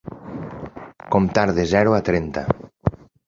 Comptar de zero a trenta.